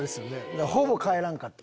だからほぼ帰らんかった。